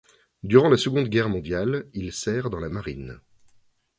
Durant la Seconde Guerre mondiale, il sert dans la Marine.